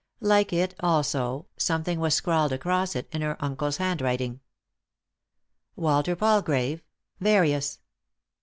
Like it, also, something was scrawled across it in her uncle's hand writing. " Walter Palgrave. — Various."